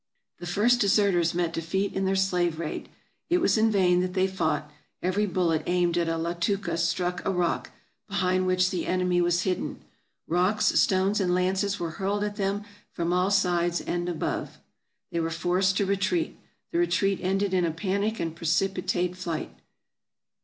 The first deserters met defeat in their slave raid. It was in vain that they fought ; every bullet aimed at a Latooka struck a rock, behind which the enemy was hidden. Rocks, stones, and lances were hurled at them from all sides and from above ; they were forced to retreat. The retreat ended in a panic and precipitate flight.